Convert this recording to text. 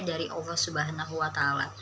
dari allah swt